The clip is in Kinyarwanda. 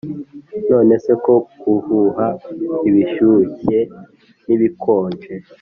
nonese koko guhuha ibishyushye n'ibikonje!